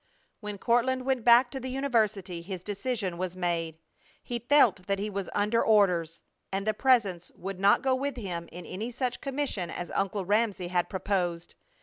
When Courtland went back to the university his decision was made. He felt that he was under orders, and the Presence would not go with him in any such commission as Uncle Ramsey had proposed.